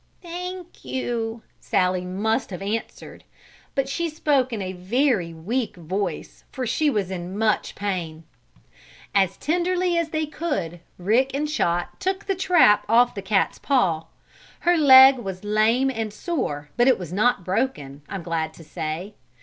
"Thank you," Sallie must have answered, but she spoke in a very weak voice, for she was in much pain. As tenderly as they could, Rick and Chot took the trap off the cat's paw. Her leg was lame and sore, but it was not broken, I'm glad to say.